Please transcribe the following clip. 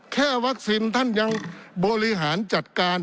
แค่วัคซีนท่านยังบริหารจัดการ